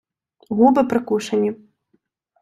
Губи прикушені.